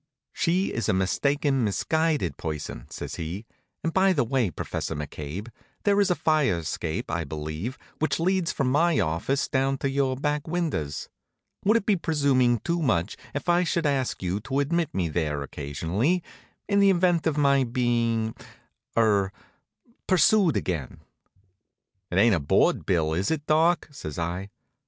"She is a mistaken, misguided person," says he. "And by the way, Professor McCabe, there is a fire escape, I believe, which leads from my office down to your back windows. Would it be presuming too much if I should ask you to admit me there occasionally, in the event of my being er pursued again?" "It ain't a board bill, is it, Doc?" says I.